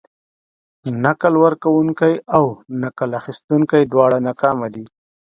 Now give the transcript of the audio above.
نکل ورکونکي او نکل اخيستونکي دواړه ناکامه دي.